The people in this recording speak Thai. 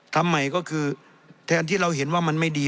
ทำใหม่ก็คือแทนที่เราเห็นว่ามันไม่ดี